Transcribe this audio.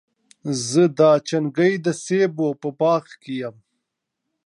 زه د چنګۍ د سېبو په باغ کي یم.